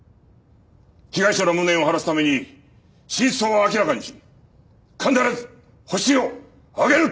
被害者の無念を晴らすために真相を明らかにし必ずホシを挙げる！